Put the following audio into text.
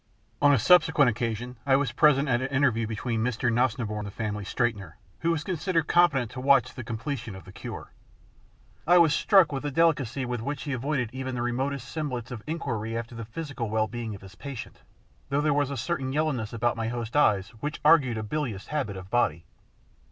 On a subsequent occasion I was present at an interview between Mr. Nosnibor and the family straightener, who was considered competent to watch the completion of the cure. I was struck with the delicacy with which he avoided even the remotest semblance of inquiry after the physical well being of his patient, though there was a certain yellowness about my host's eyes which argued a bilious habit of body.